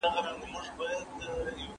زه به سبزیحات تيار کړي وي!؟